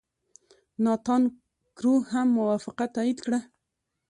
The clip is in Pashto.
ناتان کرو هم موافقه تایید کړه.